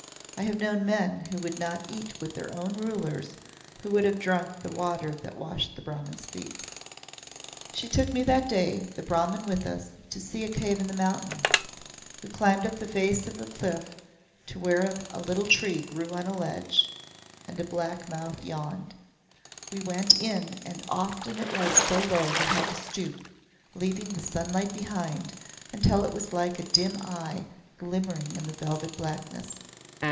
I have known men who would not eat with their own rulers who would have drunk the water that washed the Brahmans' feet." She took me that day, the Brahman with us, to see a cave in the mountain. We climbed up the face of the cliff to where a little tree grew on a ledge, and the black mouth yawned. We went in and often it was so low we had to stoop, leaving the sunlight behind until it was like a dim eye glimmering in the velvet blackness.